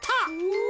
お！